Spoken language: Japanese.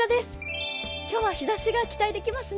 今日は日ざしが期待できますね。